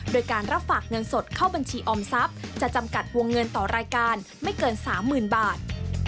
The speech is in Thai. โดยการรับฝากเงินสดเข้าบัญชีออมทรัพย์จะจำกัดวงเงินต่อรายการไม่เกิน๓๐๐๐บาท